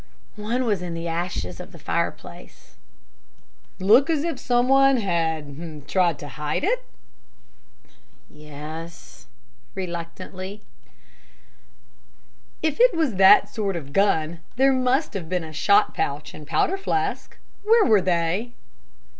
"One was in the ashes of the fireplace." "Look as if some one had tried to hide it?" "Yes" reluctantly. "If it was that sort of gun, there must have been a shot pouch and powder flask. Where were they?"